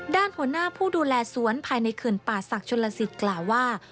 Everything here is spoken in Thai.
ด้านหัวหน้าผู้ดูแลสวนภายในเขื่อนป่าศักดิชนลสิทธิ์กล่าวว่า